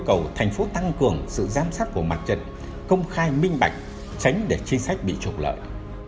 cầu thành phố tăng cường sự giám sát của mặt trận công khai minh bạch tránh để chính sách bị trục lợi